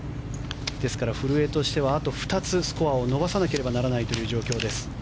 ですから古江としてはあと２つスコアを伸ばさなければならない状況です。